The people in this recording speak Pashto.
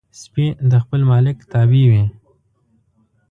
سپي د خپل مالک تابع وي.